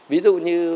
ví dụ như